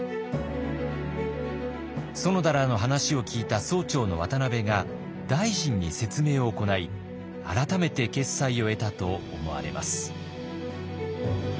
園田らの話を聞いた総長の渡部が大臣に説明を行い改めて決裁を得たと思われます。